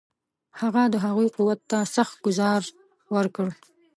هغه د هغوی قوت ته سخت ګوزار ورکړ.